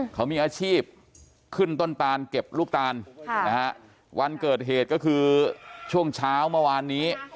เขามีอาชีพขึ้นต้นตานเก็บลูกตาลวันเกิดเหตุก็คือช่วงเช้าเมื่อวานนี้